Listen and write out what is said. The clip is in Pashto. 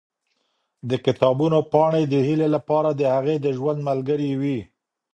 د کتابونو پاڼې د هیلې لپاره د هغې د ژوند ملګرې وې.